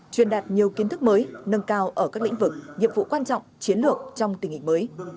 truyền đạt nhiều kiến thức mới nâng cao ở các lĩnh vực nhiệm vụ quan trọng chiến lược trong tình hình mới